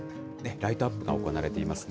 ライトアップが行われていますね。